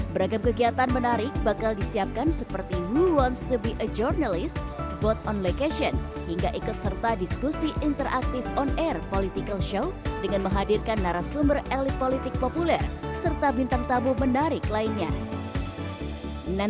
beragam kegiatan menarik bakal disiapkan seperti who wants to be a journalist vote on location hingga ikut serta diskusi interaktif on air political show dengan menghadirkan narasumber elit politik populer serta berkata bahwa kita harus berpikir dengan kebenaran